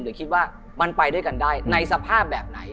หรือคิดว่ามันไปด้วยกันได้ในสภาพแบบไหน